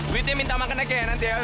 duitnya minta makan aja ya nanti ya